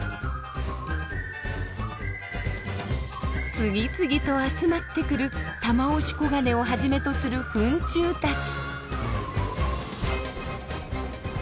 次々と集まってくるタマオシコガネをはじめとするフン虫たち。